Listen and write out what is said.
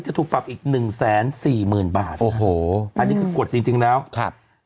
จะถูกปรับอีก๑๔๐๐๐๐บาทโอ้โหอันนี้คือกรดจริงแล้วครับ